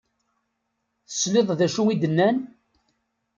Tesliḍ d acu i d-nnan?